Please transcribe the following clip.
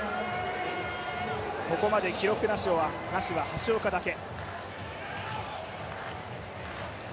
ここまで記録なしは橋岡だけ。